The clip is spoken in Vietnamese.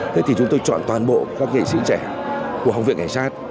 thế thì chúng tôi chọn toàn bộ các nghệ sĩ trẻ của học viện cảnh sát